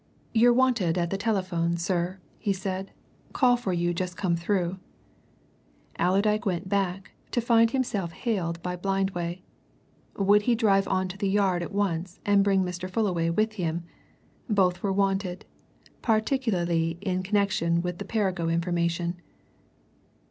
"You're wanted at the telephone, sir," he said. "Call for you just come through." Allerdyke went back, to find himself hailed by Blindway. Would he drive on to the Yard at once and bring Mr. Fullaway with him? both were wanted, particularly in connection with the Perrigo information.